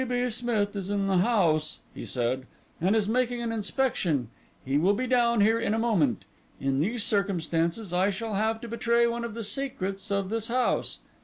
"T. B. Smith is in the house," he said, "and is making an inspection; he will be down here in a moment. In these circumstances I shall have to betray one of the secrets of this house."